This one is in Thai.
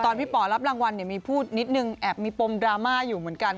พี่ป๋อรับรางวัลเนี่ยมีพูดนิดนึงแอบมีปมดราม่าอยู่เหมือนกัน